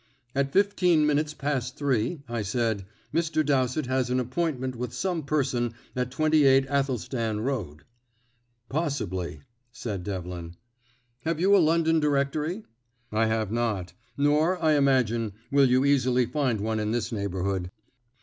"At fifteen minutes past three," I said, "Mr. Dowsett has an appointment with some person at 28 Athelstan Road." "Possibly," said Devlin. "Have you a 'London Directory'?" "I have not; nor, I imagine, will you easily find one in this neighbourhood."